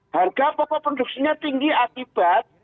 harga pokok produksinya tinggi akibat